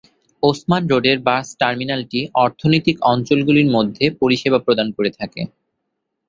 ওসমান রোডের বাস টার্মিনালটি অর্থনৈতিক অঞ্চল গুলির মধ্যে পরিষেবা প্রদান করে থাকে।